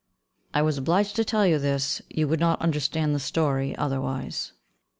I was obliged to tell you this; you would not understand the story otherwise.